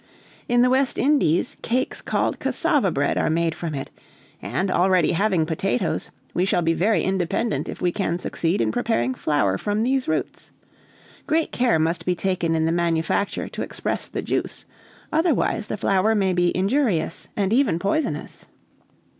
In the West Indies, cakes called cassava bread are made from it; and, already having potatoes, we shall be very independent if we can succeed in preparing flour from these roots. Great care must be taken in the manufacture to express the juice, otherwise the flour may be injurious and even poisonous.